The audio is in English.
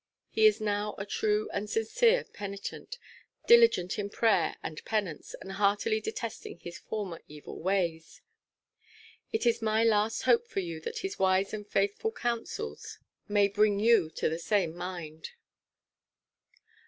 He is now a true and sincere penitent, diligent in prayer and penance, and heartily detesting his former evil ways. It is my last hope for you that his wise and faithful counsels may bring you to the same mind."